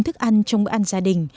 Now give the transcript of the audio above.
thức ăn trong bữa ăn gia đình